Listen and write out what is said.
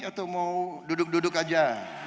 atau mau duduk duduk aja